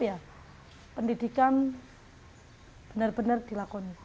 kita harus sementara untuk melakukan benar benar dilakukan